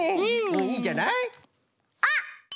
いいんじゃない？あっ！